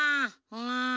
うん。